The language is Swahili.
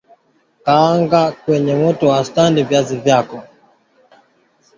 Kaanga kwenye moto wa wastani viazi vyako